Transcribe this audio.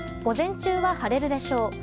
午前中は晴れるでしょう。